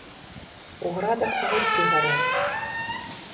У градах агуркі гараць.